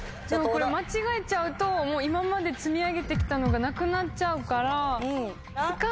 でもこれ間違えちゃうと今まで積み上げて来たのがなくなっちゃうから。